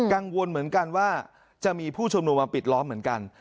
กังวลเหมือนกันว่าจะมีผู้ชุมนุมมาปิดล้อมเหมือนกัน